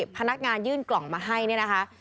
พนักงานยื่นกล่องมาให้เนี่ยนะคะ